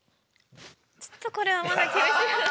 ちょっとこれはまだ厳しい。